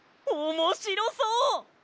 おもしろそう！